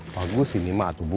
bagus ini mah atuh bu